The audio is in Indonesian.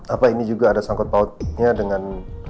apa ini juga ada sangkut pautnya dengan